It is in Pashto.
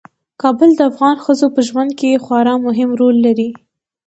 کابل د افغان ښځو په ژوند کې خورا مهم رول لري.